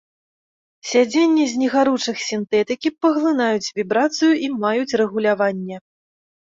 Сядзенні з негаручых сінтэтыкі паглынаюць вібрацыю і маюць рэгуляванне.